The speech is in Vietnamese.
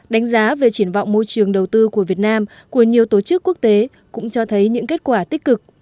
đánh giá về triển vọng môi trường đầu tư của việt nam của nhiều tổ chức quốc tế cũng cho thấy những kết quả tích cực